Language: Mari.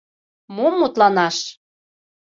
Мом мутланаш?